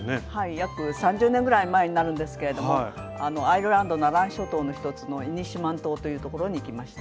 約３０年ぐらい前になるんですけれどもアイルランドのアラン諸島のひとつのイニシュマン島という所に行きました。